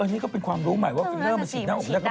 นี่ก็เป็นความรู้หมายว่าฟิลเลอร์มันฉีดหน้าอกได้